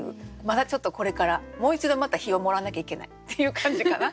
まだちょっとこれからもう一度また火をもらわなきゃいけないっていう感じかな？